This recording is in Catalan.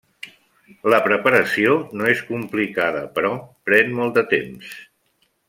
La preparació no és complicada però pren molt de temps.